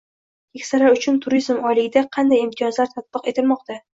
“Keksalar uchun turizm oyligi”da qanday imtiyozlar tatbiq etilmoqda?ng